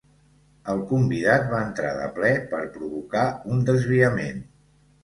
El convidat va entrar de ple per provocar un desviament.